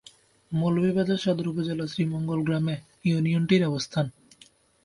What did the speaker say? মৌলভীবাজার সদর উপজেলার শ্রীমঙ্গল গ্রামে ইউনিয়নটির অবস্থান।